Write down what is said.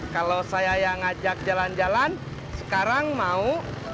kalau saya yang ngajak jalan jalan sekarang mau